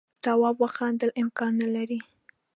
تواب وخندل امکان نه لري.